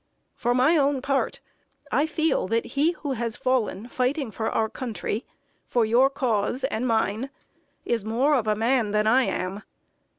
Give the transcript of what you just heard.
For my own part, I feel that he who has fallen fighting for our country for your Cause and mine is more of a man than I am.